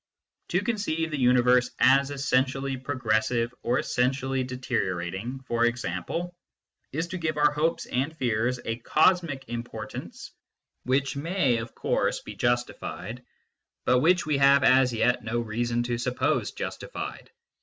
To conceive the universe as essentially progressive or essen tially deteriorating, for example, is to give to our hopes and fears a cosmic importance which may, of course, be justified, but which we have as yet no reason to suppose justified.